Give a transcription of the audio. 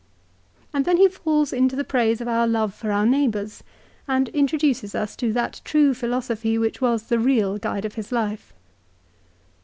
2 And then he falls into the praise of our love for our neighbours, and introduces us to that true philosophy which was the real guide of his life.